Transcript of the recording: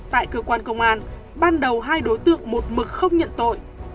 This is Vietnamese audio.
tại cơ quan công an ban đầu hai đối tượng một mực không nhận tội